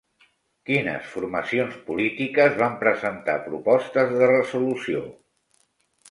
Quines formacions polítiques van presentar propostes de resolució?